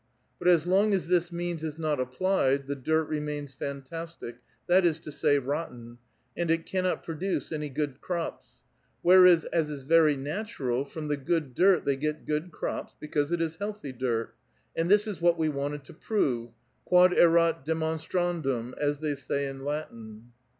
But as long as this means is not applied, the dirt remains fantastic, that is to say, rotten, and it cannot produce any good crops ; whereas, as is very natural, from the good dirt they get good crops, because it is healthy dirt. And this is what we wanted to prove ; quod erat demonstrandum ^ as they say in Latin."